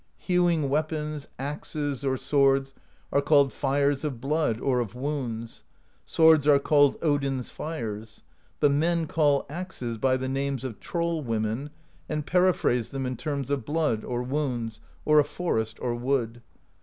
Hewing weapons, axes or swords, are called Fires of Blood, or of Wounds; swords are called Odin's Fires; but men call axes by the names of troll women, and periphrase them in terms of blood or wounds or a forest or wood.